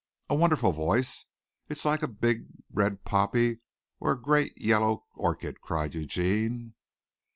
"A wonderful voice it's like a big red poppy or a great yellow orchid!" cried Eugene.